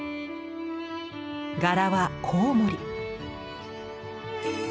柄はコウモリ。